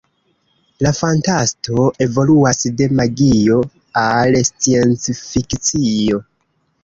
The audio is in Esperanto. La fantasto evoluas de magio al sciencfikcio.